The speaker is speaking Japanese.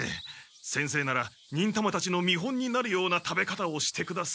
「先生なら忍たまたちの見本になるような食べ方をしてください」と。